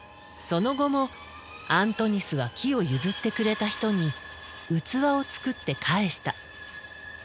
その後もアントニスは木を譲ってくれた人に器を作って返した。